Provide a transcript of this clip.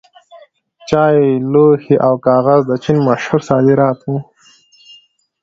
چای، لوښي او کاغذ د چین مشهور صادرات وو.